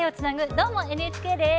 「どーも、ＮＨＫ」です。